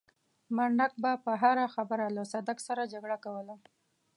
منډک به پر هره خبره له صدک سره جګړه کوله.